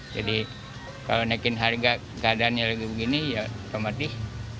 jadi kalau naikin harga keadaannya lagi begini ya sama dih